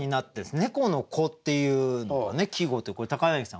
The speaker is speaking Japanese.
「猫の子」っていうのがね季語という柳さん